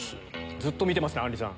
ずっと見てますねあんりさん。